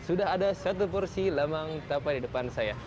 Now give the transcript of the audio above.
sudah ada satu porsi lemang tape di depan saya